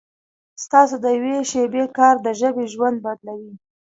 ستاسو د یوې شېبې کار د ژبې ژوند بدلوي.